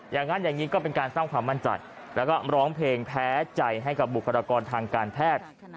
อย่างนั้นอย่างนี้ก็เป็นการสร้างความมั่นใจแล้วก็ร้องเพลงแพ้ใจให้กับบุคลากรทางการแพทย์